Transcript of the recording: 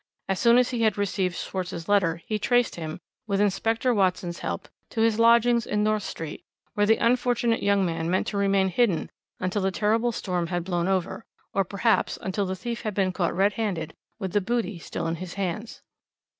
As soon as he had received Schwarz's letter, he traced him, with Inspector Watson's help, to his lodgings in North Street, where the unfortunate young man meant to remain hidden until the terrible storm had blown over, or perhaps until the thief had been caught red handed with the booty still in his hands.